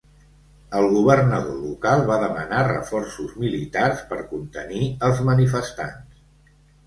El governador local va demanar reforços militars per contenir els manifestants.